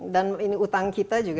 dan ini utang kita juga